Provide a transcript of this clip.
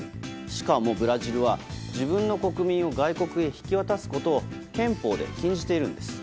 しかもブラジルは自分の国民を外国へ引き渡すことを憲法で禁じているんです。